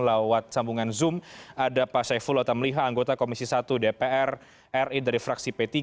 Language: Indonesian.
lewat sambungan zoom ada pak saifullah tamliha anggota komisi satu dpr ri dari fraksi p tiga